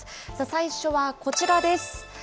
最初はこちらです。